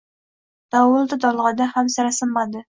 Dovul-dolg‘ada ham sira sinmadi